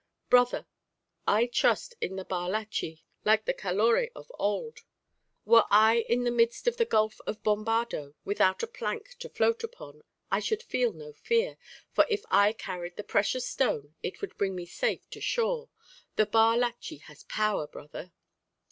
Brother, I trust in the bar lachí like the Caloré of old: were I in the midst of the gulf of Bombardó without a plank to float upon, I should feel no fear; for if I carried the precious stone, it would bring me safe to shore. The bar lachí has power, brother.